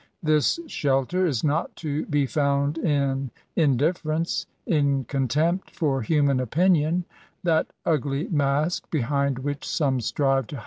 This shelter is not to be found in indifference, in contempt for human opinion — ^that ugly mask behind which some strive GAINS AND PRIVILEGES.